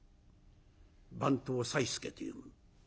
番頭さいすけという者。